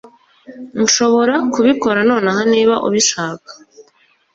Nshobora kubikora nonaha niba ubishaka